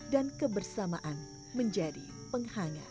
dan kebersamaan menjadi penghangat